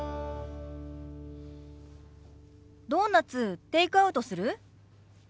ドーナツテイクアウトする？